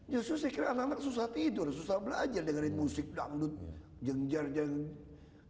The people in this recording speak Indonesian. justru saya kira anak anak susah tidur susah belajar dengerin musik dangdut jengjar jengger